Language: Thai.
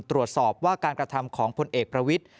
ตรวจสอบว่าการกระทำของพลเอกประวิทธิ